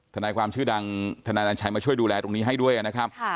ทนายความชื่อดังทนายนันชัยมาช่วยดูแลตรงนี้ให้ด้วยนะครับ